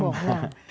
apa yang berarti